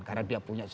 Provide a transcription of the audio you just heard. karena dia punya suatu